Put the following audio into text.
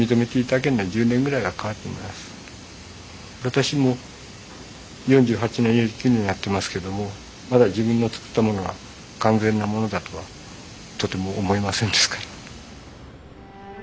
私も４８年４９年やってますけどもまだ自分の作ったものが完全なものだとはとても思えませんですから。